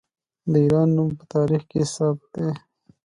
د ایران نوم په تاریخ کې ثبت دی.